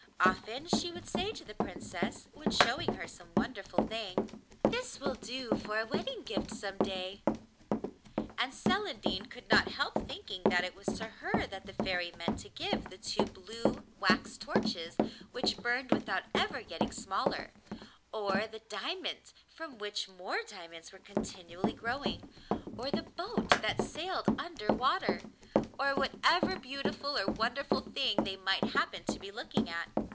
Often she would say to the Princess, when showing her some wonderful thing: 'This will do for a wedding gift some day.' And Celandine could not help thinking that it was to her that the Fairy meant to give the two blue wax torches which burned without ever getting smaller, or the diamond from which more diamonds were continually growing, or the boat that sailed under water, or whatever beautiful or wonderful thing they might happen to be looking at.